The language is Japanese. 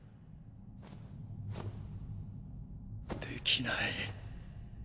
⁉できない。